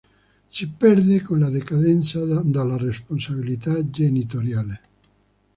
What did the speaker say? Si perde con la decadenza dalla responsabilità genitoriale.